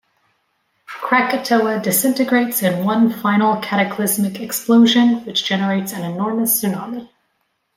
Krakatoa disintegrates in one final, cataclysmic explosion, which generates an enormous tsunami.